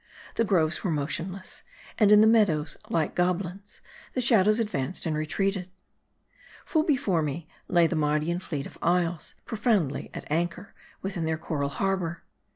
The groves were motionless ; and in the meadows, like goblins, the shadows advanced and retreated. Full be fore me, lay the Mardian fleet of isles, profoundly at anchor within their coral harbor.